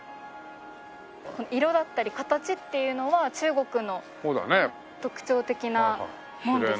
色だったり形っていうのは中国の特徴的な門ですね。